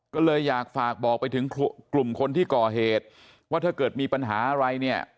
ก็เลยอยากฝากบอกไปถึงกลุ่มคนที่ก่อเหตุว่าถ้าเกิดมีปัญหาอะไรเนี่ย